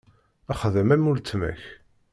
Xdem am uletma-k.